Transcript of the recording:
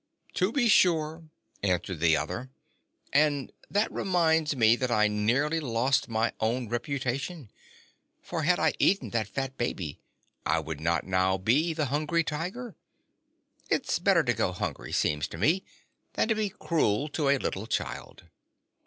"To be sure," answered the other. "And that reminds me that I nearly lost my own reputation. For, had I eaten that fat baby I would not now be the Hungry Tiger. It's better to go hungry, seems to me, than to be cruel to a little child."